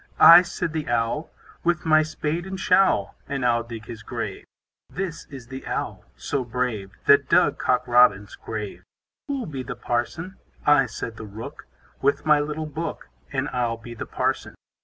I, said the Owl, With my spade and showl, And I'll dig his grave. This is the Owl so brave, That dug Cock Robin's grave. Who'll be the Parson? I, said the Rook, With my little book, And I'll be the Parson.